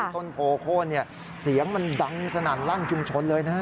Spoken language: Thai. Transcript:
ต้นโพโค้นเนี่ยเสียงมันดังสนั่นรั่งชุมชนเลยนะ